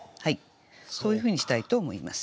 そういうふうにしたいと思います。